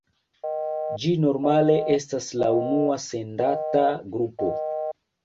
Ĝi normale estas la unua sendata grupo.